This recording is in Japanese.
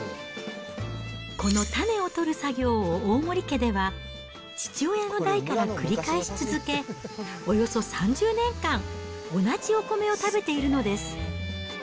この種を取る作業を大森家では、父親の代から繰り返し続け、およそ３０年間、同じお米を食べているのです。